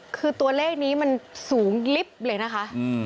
คือตัวเลขนี้มันสูงลิฟต์เลยนะคะ